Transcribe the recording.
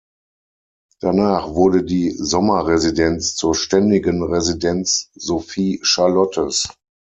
Danach wurde die Sommerresidenz zur ständigen Residenz Sophie Charlottes.